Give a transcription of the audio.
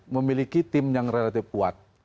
memiliki tim yang relatif kuat